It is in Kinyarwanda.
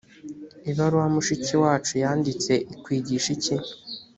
ibaruwa mushiki wacu yanditse ikwigisha iki